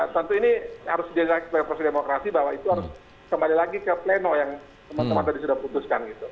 tentu ini harus dijelaskan oleh proses demokrasi bahwa itu harus kembali lagi ke pleno yang teman teman tadi sudah putuskan gitu